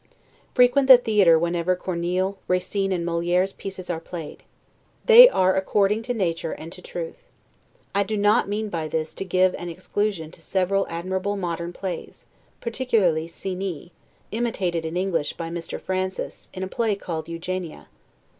Frequent the theatre whenever Corneille, Racine, and Moliere's pieces are played. They are according to nature and to truth. I do not mean by this to give an exclusion to several admirable modern plays, particularly "Cenie," [Imitated in English by Mr. Francis, in a play called "Eugenia."